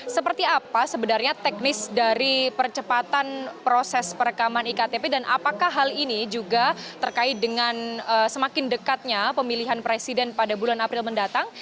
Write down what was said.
seperti apa sebenarnya teknis dari percepatan proses perekaman iktp dan apakah hal ini juga terkait dengan semakin dekatnya pemilihan presiden pada bulan april mendatang